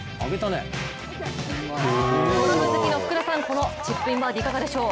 ゴルフ好きの福田さん、このチップインバーディーいかがでしょう。